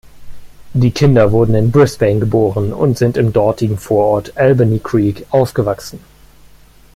Die Kinder wurden in Brisbane geboren und sind im dortigen Vorort Albany Creek aufgewachsen.